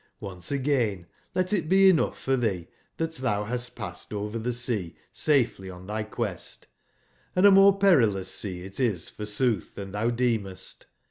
Once again let it be enougb for tbee tbat tbou bast passed over tbe sea safely on tby quest ; and a more perilous sea it is f orsootb tban tbou deemest.